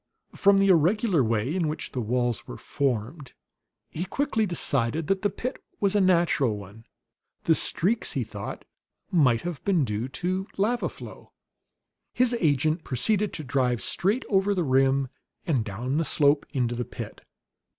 From the irregular way in which the walls were formed, he quickly decided that the pit was a natural one. The streaks, he thought, might have been due to lava flow. His agent proceeded to drive straight over the rim and down the slope into the pit.